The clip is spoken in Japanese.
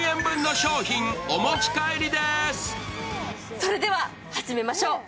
それでは始めましょう。